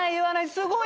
すごい。